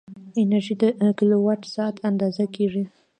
انرژي په کیلووات ساعت اندازه کېږي.